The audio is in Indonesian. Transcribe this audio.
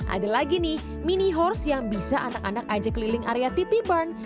ada lagi nih mini horse yang bisa anak anak aja keliling area tp burn